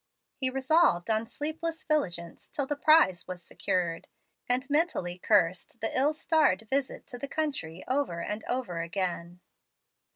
He resolved on sleepless vigilance till the prize was secured, and mentally cursed the ill starred visit to the country over and over again.